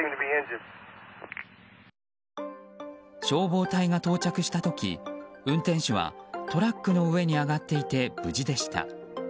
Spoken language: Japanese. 消防隊が到着した時運転手はトラックの上に上がっていて、無事でした。